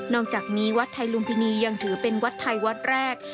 อกจากนี้วัดไทยลุมพินียังถือเป็นวัดไทยวัดแรก